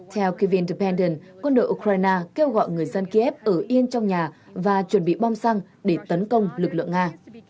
theo kvin dependen quân đội ukraine kêu gọi người dân kiev ở yên trong nhà và chuẩn bị bom xăng để tấn công lực lượng nga